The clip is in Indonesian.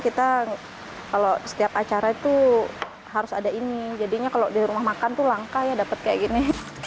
kita kalau setiap acara itu harus ada ini jadinya kalau di rumah makan tuh langka ya dapat kayak gini